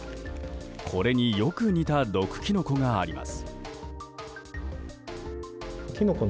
これによく似た毒キノコがあります。